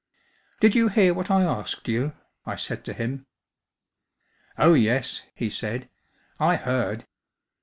Did you hear what I asked you ?' I said to him, "* Oh, yes/ he said, ' I heard.